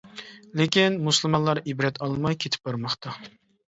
لېكىن مۇسۇلمانلار ئىبرەت ئالماي كېتىپ بارماقتا.